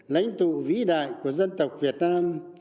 lãnh tụ vĩ đại của dân tộc việt nam